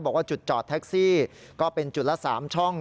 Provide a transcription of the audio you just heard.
บอกว่าจุดจอดแท็กซี่ก็เป็นจุดละ๓ช่อง